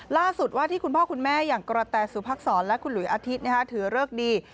ล่าสุดว่าที่คุณพ่อคุณแม่อย่างกรฏตรสุทธิ์ภักษ์สอนท์และคุณหลูยอาทิตย์ที่ถือเลือกดี